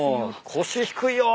腰低いよ。